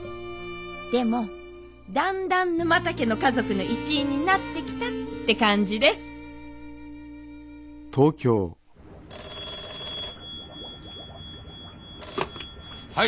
でもだんだん沼田家の家族の一員になってきたって感じです☎はい！